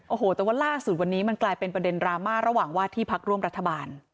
โอ้โหแต่ว่าล่าสุดวันนี้มันกลายเป็นประเด็นดราม่าระหว่างว่าที่พักร่วมรัฐบาล